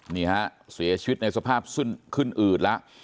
นี่ฮะเสียชีวิตในสภาพขึ้นอืดแล้ว